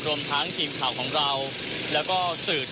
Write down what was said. ติดตามการรายงานสดจากคุณทัศนายโค้ดทองค่ะ